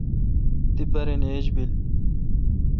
تی پارن ایج بل۔